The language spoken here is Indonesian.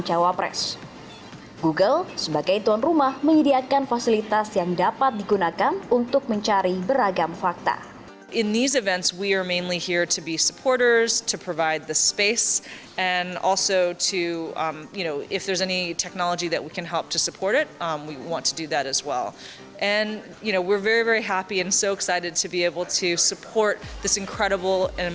jawa press nomor urut satu maruf amin berlaga dengan jawa press nomor urut dua sandiaga udo dalam gelaran debat pada minggu malam